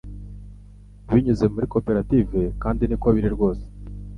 binyuze muri koperative kandi niko biri rwose